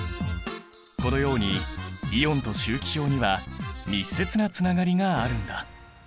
このようにイオンと周期表には密接なつながりがあるんだ。